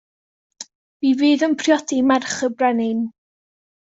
Mi fydd yn priodi merch y brenin.